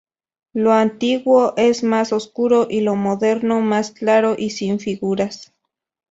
Lo antiguo es más oscuro y lo moderno más claro y sin figuras.